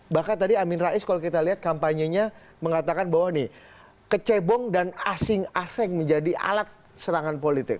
bahkan tadi amin rais kalau kita lihat kampanyenya mengatakan bahwa nih kecebong dan asing aseng menjadi alat serangan politik